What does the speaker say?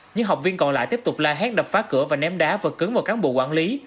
những học viên còn lại tiếp tục la hét đập phá cửa và ném đá và cứng vào cán bộ quản lý